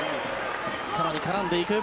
更に絡んでいく。